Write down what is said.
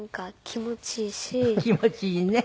気持ちいいね。